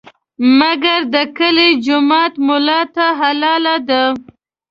مګر د کلي جومات ملا ته حلاله ده.